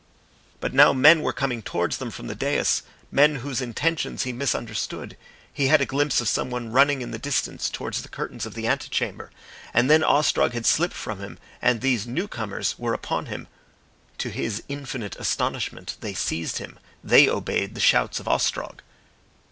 But now men were coming towards them from the dais men whose intentions he misunderstood. He had a glimpse of someone running in the distance towards the curtains of the antechamber, and then Ostrog had slipped from him and these newcomers were upon him. To his infinite astonishment, they seized him. They obeyed the shouts of Ostrog.